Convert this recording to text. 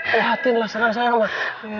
pelatin lah senangnya saya mak